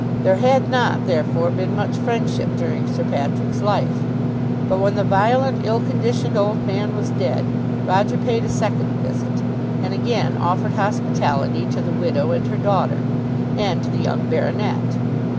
There had not, therefore, been much friendship during Sir Patrick's life. But when the violent ill conditioned old man was dead, Roger paid a second visit, and again offered hospitality to the widow and her daughter, and to the young baronet.